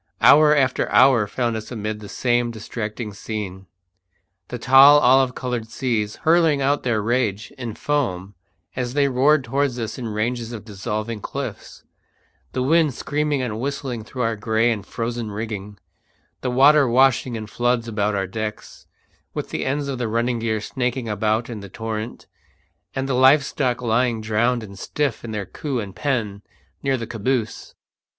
Hour after hour found us amid the same distracting scene: the tall olive coloured seas hurling out their rage in foam as they roared towards us in ranges of dissolving cliffs; the wind screaming and whistling through our grey and frozen rigging; the water washing in floods about our decks, with the ends of the running gear snaking about in the torrent, and the live stock lying drowned and stiff in their coops and pen near the caboose.